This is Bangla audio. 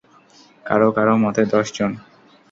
কারো কারো মতে দশজন।